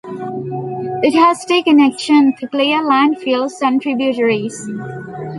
It has taken action to clear landfills and tributaries.